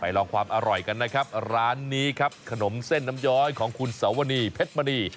ลองความอร่อยกันนะครับร้านนี้ครับขนมเส้นน้ำย้อยของคุณสวนีเพชรมณี